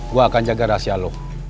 gua akan jaga rahasia lu